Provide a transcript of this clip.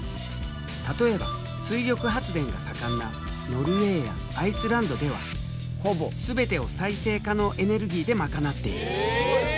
例えば水力発電が盛んなノルウェーやアイスランドではほぼ全てを再生可能エネルギーでまかなっている。